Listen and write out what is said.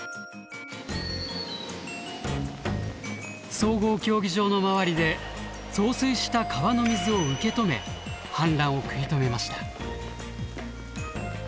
総合競技場の周りで増水した川の水を受け止め氾濫を食い止めました。